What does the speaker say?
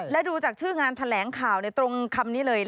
และดูจากชื่องานแถลงข่าวตรงคำนี้เลย